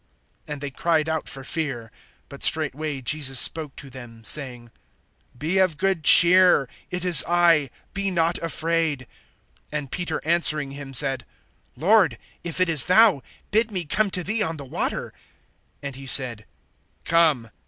And they cried out for fear. (27)But straightway Jesus spoke to them, saying: Be of good cheer; it is I, be not afraid. (28)And Peter answering him said: Lord, if it is thou, bid me come to thee on the water. (29)And he said: Come.